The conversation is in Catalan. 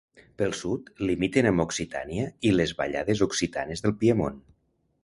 Pel sud limiten amb Occitània i les Vallades Occitanes del Piemont.